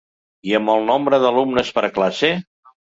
I amb el nombre d’alumnes per classe?